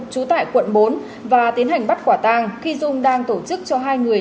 trú tại quận bốn và tiến hành bắt khỏa tang khi dung đang tổ chức cho hai người